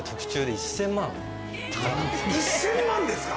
１０００万円ですか。